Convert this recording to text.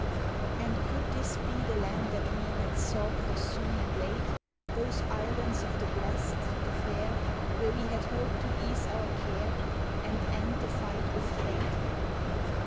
And could this be the land that we Had sought for soon and late? Those Islands of the Blest, the fair, Where we had hoped to ease our care And end the fight with fate?